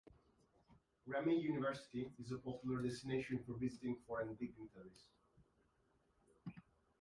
Renmin University is a popular destination for visiting foreign dignitaries.